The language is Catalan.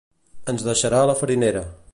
ens deixarà a la Farinera